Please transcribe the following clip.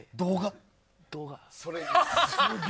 動画。